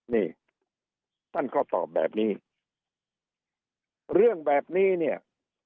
นี่ท่านก็ตอบแบบนี้เรื่องแบบนี้เนี่ย